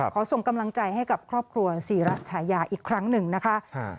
ขอส่งกำลังใจให้กับครอบครัวศรีระฉายาอีกครั้งหนึ่งนะคะ